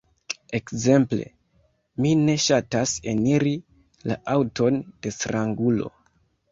Ekzemple: mi ne ŝatas eniri la aŭton de strangulo.